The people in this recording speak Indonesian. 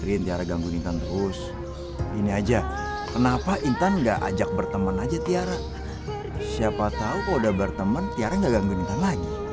yaudah intan coba ya om